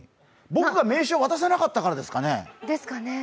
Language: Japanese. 僕が名刺を渡さなかったからですかね。